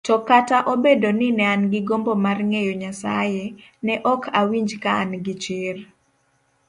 To kata obedo ni nean gi gombo marng'eyo Nyasaye, ne okawinj kaan gichir